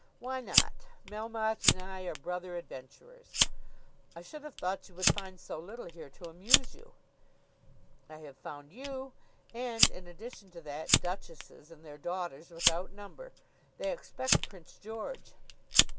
"Why not? Melmotte and I are brother adventurers." "I should have thought you would find so little here to amuse you." "I have found you; and, in addition to that, duchesses and their daughters without number. They expect Prince George!"